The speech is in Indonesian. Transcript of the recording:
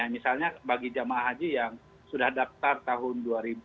misalnya bagi jemaah haji yang sudah daftar tahun dua ribu dua puluh